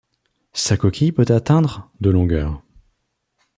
Sa coquille peut atteindre de longueur.